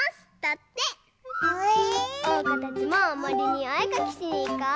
おうかたちももりにおえかきしにいこう！